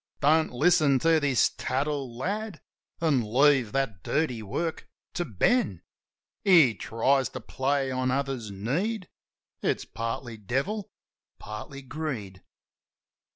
Don't listen to this tattle, lad, An' leave that dirty work to Ben. He tries to play on others need; It's partly devil, partly greed.